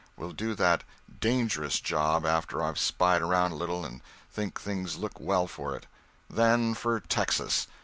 We'll do that 'dangerous' job after I've spied around a little and think things look well for it. Then for Texas!